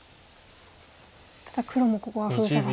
ただ黒もここは封鎖させたく。